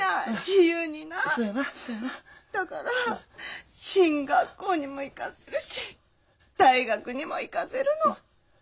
だから進学校にも行かせるし大学にも行かせるの。